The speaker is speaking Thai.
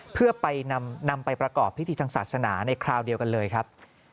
เพื่อไปนำไปประกอบพิธีทางศาสนาในคราวเดียวกันเลยครับ